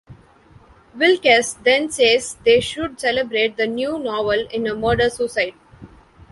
Wilkes then says they should "celebrate" the new novel in a murder-suicide.